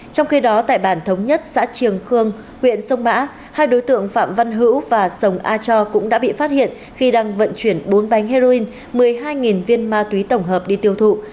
trong khi đó tại bản thống nhất xã triềng khương huyện sông mã hai đối tượng phạm văn hữu và sông a cho cũng đã bị phát hiện khi đang vận chuyển bốn bánh heroin một mươi hai viên ma túy tổng hợp đi tiêu thụ